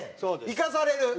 行かされる。